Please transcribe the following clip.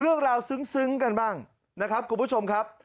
เรื่องราวซึ้งกันบ้างนะครับคุณผู้ชมครับ